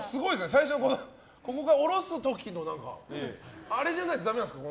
最初の下ろす時のあれじゃないとダメなんですか？